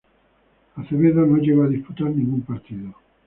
Acevedo no llegó a disputar ningún partido.